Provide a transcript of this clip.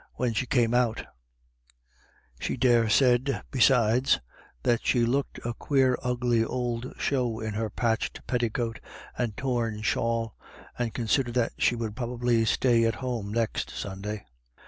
191 when she came out She daresaid, besides, that she looked a quare ugly ould show in her patched petticoat and torn shawl, and considered that she would probably stay at home next Sunday.